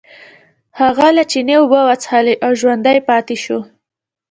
هغه له چینې اوبه وڅښلې او ژوندی پاتې شو.